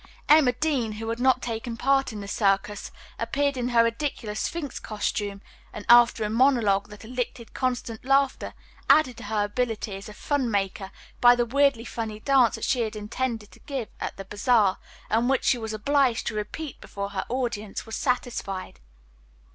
Emma Dean, who had not taken part in the Circus, appeared in her ridiculous Sphinx costume, and, after a monologue that elicited constant laughter, added to her ability as a fun maker by the weirdly funny dance that she had intended to give at the bazaar, and which she was obliged to repeat before her audience was satisfied.